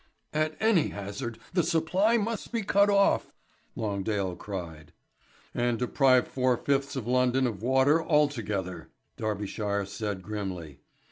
"At any hazard the supply must be cut off!" Longdale cried. "And deprive four fifths of London of water altogether!" Darbyshire said grimly.